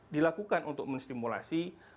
dilakukan untuk menstimulasi